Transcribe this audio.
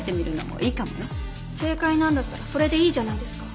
正解なんだったらそれでいいじゃないですか。